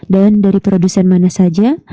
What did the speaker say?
dari produsen mana saja